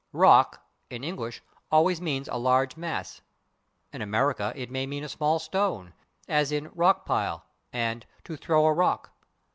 /Rock/, in English, always means a large mass; in America it may mean a small stone, as in /rock pile/ and /to throw a rock